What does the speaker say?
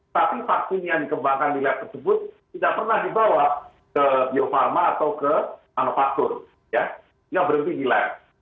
tapi vaksin yang dikembangkan dilihat tersebut tidak pernah dibawa ke bio farma atau ke manufaktur ya yang berbeda nilai